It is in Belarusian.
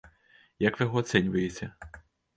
Як вы яго ацэньваеце?